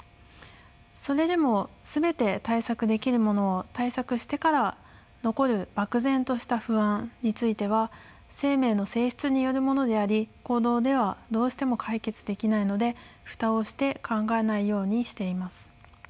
それでも全て対策できるものを対策してから残る漠然とした不安については生命の性質によるものであり行動ではどうしても解決できないので蓋をして考えないようにしています。